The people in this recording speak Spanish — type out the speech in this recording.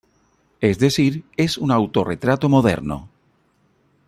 Es decir, es un autorretrato moderno.